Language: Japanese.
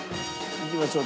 いきましょう。